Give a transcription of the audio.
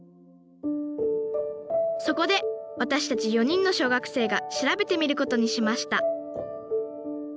そこで私たち４人の小学生が調べてみることにしました